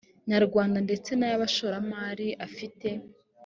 nyarwanda ndetse n ay abashoramari afite